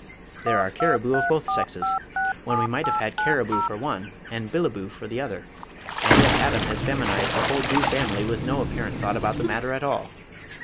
There are Caribou of both sexes, when we might have had Caribou for one and Billibou for the other, and yet Adam has feminized the whole Bou family with no apparent thought about the matter at all.